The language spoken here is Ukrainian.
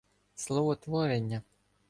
Словотворення